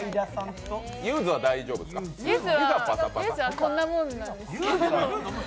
ゆーづはこんなもんなんです。